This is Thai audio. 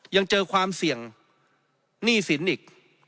ยังเจอความเสี่ยงหนี้สินอีก